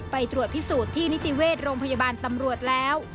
ไปตรวจพิสูจน์ที่นิติเวชโรงพยาบาลตำรวจแล้ว